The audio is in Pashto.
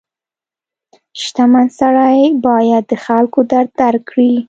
• شتمن سړی باید د خلکو درد درک کړي.